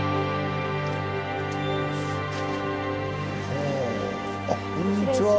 ほぉあっこんにちは。